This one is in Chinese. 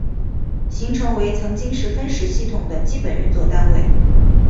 行程为曾经是分时系统的基本运作单位。